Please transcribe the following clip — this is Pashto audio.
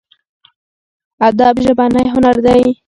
ادب ژبنی هنر دی.